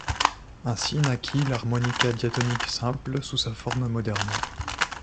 Ainsi naquit l'harmonica diatonique simple sous sa forme moderne.